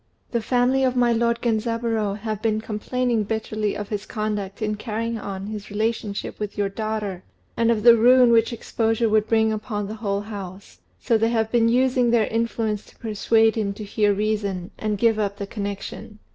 The family of my lord Genzaburô have been complaining bitterly of his conduct in carrying on his relationship with your daughter, and of the ruin which exposure would bring upon the whole house; so they have been using their influence to persuade him to hear reason, and give up the connection.